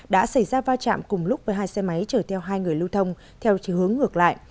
đã xảy ra va chạm cùng lúc với hai xe máy chở theo hai người lưu thông theo hướng ngược lại